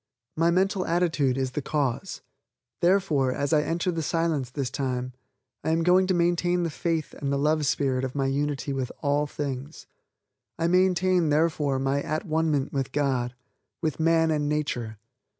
My mental attitude is the cause; therefore, as I enter the Silence this time, I am going to maintain the faith and the love spirit of my unity with all things. I maintain, therefore, my at one ment with God, with man and nature.